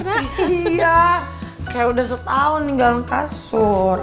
iya kayak udah setahun ninggal kasur